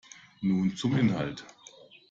Nun zum Inhalt.